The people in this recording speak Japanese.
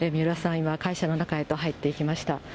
今、会社の中へと入っていきました。